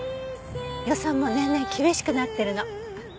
予算も年々厳しくなってるの。